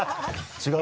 違う？